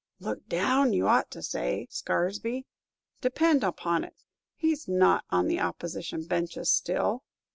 "Look down! you ought to say, Scaresby; depend upon't, he 's not on the Opposition benches still!"